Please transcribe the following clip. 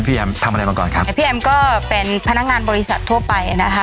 แอมทำอะไรมาก่อนครับแล้วพี่แอมก็เป็นพนักงานบริษัททั่วไปนะคะ